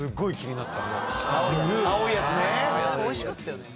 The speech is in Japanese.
おいしかったよね。